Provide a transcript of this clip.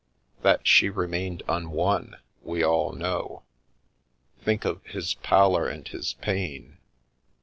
" That she remained unwon, we all know. Think of his ' pallor and his pain.'